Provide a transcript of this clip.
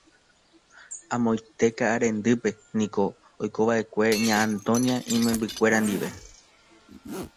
Amoite Ka'arendýpe niko oikova'ekue Ña Antonia imembykuéra ndive.